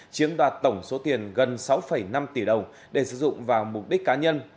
chiếm đoạt tổng số tiền gần sáu năm tỷ đồng để sử dụng vào mục đích cá nhân